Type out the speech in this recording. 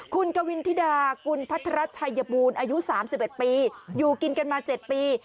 คุณกวินธิดาคุณพัทรรัชชายปูนอายุสามสิบเอ็ดปีอยู่กินกันมาเจ็ดปี